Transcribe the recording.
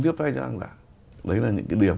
tiếp tay cho hàng giả đấy là những cái điểm